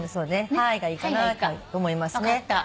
「Ｈｉ」がいいかなと思いますね。